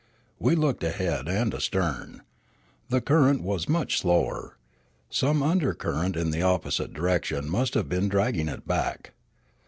We looked ahead and astern. The current was much slower ; some undercurrent in the opposite direction must have been dragging it back.